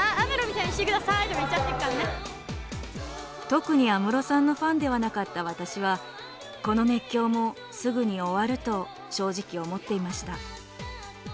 特に安室さんのファンではなかった私はこの熱狂もすぐに終わると正直思っていました。